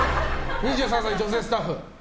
２３歳、女性スタッフ。